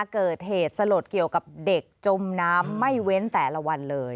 เกิดเหตุสลดเกี่ยวกับเด็กจมน้ำไม่เว้นแต่ละวันเลย